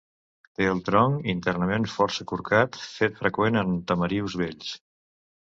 Té el tronc internament força corcat, fet freqüent en tamarius vells.